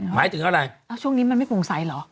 หมายถึงอะไรช่วงนี้มันไม่โปร่งใสเหรอ